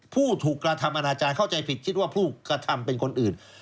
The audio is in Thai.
ผู้ถูกกระทำอนาจารย์เข้าใจผิดคิดว่าผู้กระทำเป็นคนอื่น